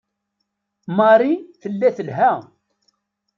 Marie tella telha.